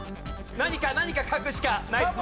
何か何か書くしかないです。